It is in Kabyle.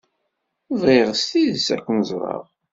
Bɣiɣ s tidet ad ken-ẓreɣ.